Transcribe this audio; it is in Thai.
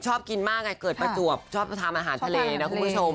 ชอบกินมากไงเกิดประจวบชอบทานอาหารทะเลนะคุณผู้ชม